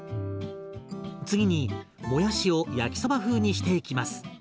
次にもやしをやきそば風にしていきます。